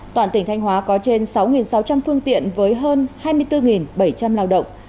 toàn tỉnh thanh hóa có trên sáu sáu trăm linh phương tiện với hơn hai mươi bốn bảy trăm linh lao động